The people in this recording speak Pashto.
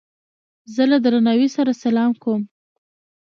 زه له درناوي سره سلام کوم.